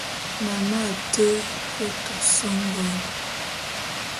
Nane a té ke tos ngon.